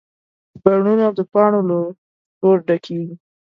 بڼونه د پاڼو له شور ډکېږي